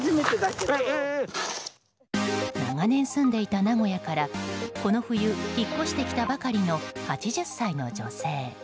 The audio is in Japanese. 長年住んでいた名古屋からこの冬、引っ越してきたばかりの８０歳の女性。